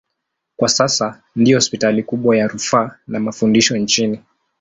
Kwa sasa ndiyo hospitali kubwa ya rufaa na mafundisho nchini.